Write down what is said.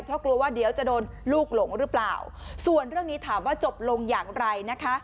เพราะกลัวว่าเดี๋ยวจะโดนลูกหลงหรือเปล่าส่วนเรื่องนี้ถามว่าจบลงอย่างไรนะคะ